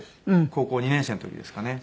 高校２年生の時ですかね。